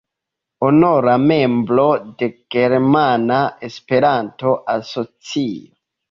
Honora membro de Germana Esperanto-Asocio.